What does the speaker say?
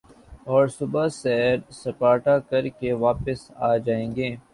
اور صبح سیر سپاٹا کر کے واپس آ جائیں گے ۔